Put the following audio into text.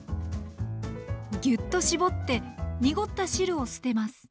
ギュッと絞って濁った汁を捨てます。